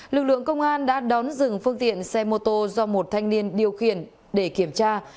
lực lượng công an đã đón dừng phương tiện xe mô tô do một thanh niên điều khiển để kiểm tra